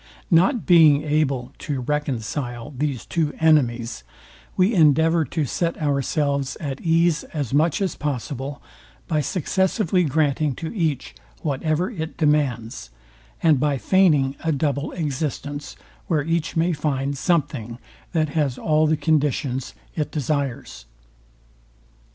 Not being able to reconcile these two enemies, we endeavour to set ourselves at ease as much as possible, by successively granting to each whatever it demands, and by feigning a double existence, where each may find something, that has all the conditions it desires.